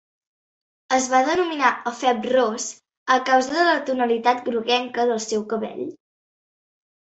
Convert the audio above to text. Es va denominar efeb ros a causa de la tonalitat groguenca del seu cabell.